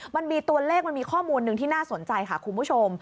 มันมีตัวเลขมันมีข้อมูลหนึ่งที่น่าสนใจค่ะคุณผู้ชม